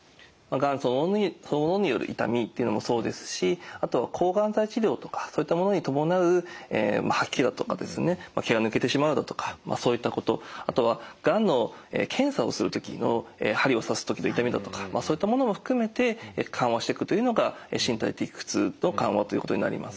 がんそのものによる痛みというのもそうですしあと抗がん剤治療とかそういったものに伴う吐き気だとかですね毛が抜けてしまうだとかそういったことあとはがんの検査をする時の針を刺す時の痛みだとかそういったものも含めて緩和していくというのが身体的苦痛の緩和ということになります。